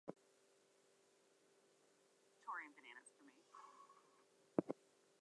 Students' activities are not actively monitored and no content is filtered.